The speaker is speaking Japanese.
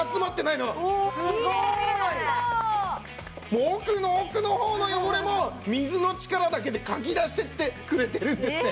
もう奥の奥の方の汚れも水の力だけでかき出していってくれてるんですね。